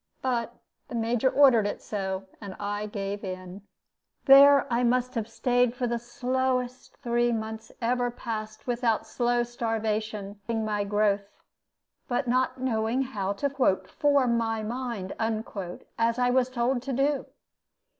But the Major so ordered it, and I gave in. There I must have staid for the slowest three mouths ever passed without slow starvation finishing my growth, but not knowing how to "form my mind," as I was told to do.